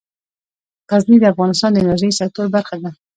غزني د افغانستان د انرژۍ سکتور برخه ده.